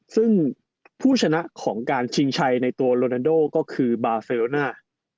ซึ่งผู้ชนะของการชิงชัยในตัวโรนาโดก็คือบาเฟโรน่า